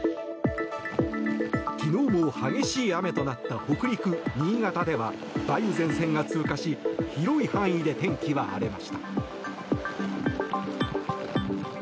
昨日も激しい雨となった北陸、新潟では梅雨前線が通過し広い範囲で天気は荒れました。